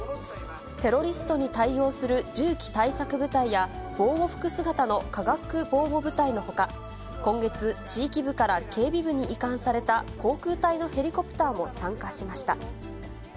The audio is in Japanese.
テロリストに対応する銃器対策部隊や、防護服姿の化学防護部隊のほか、今月、地域部から警備部に移管された、航空隊のヘリコプターも参加しました。